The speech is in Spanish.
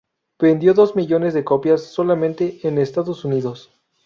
Vendió dos millones de copias solamente en Estados Unidos.